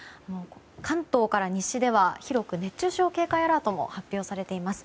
関東から西では広く熱中症警戒アラートも発表されています。